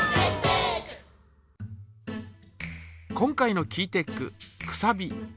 今回のキーテックくさび。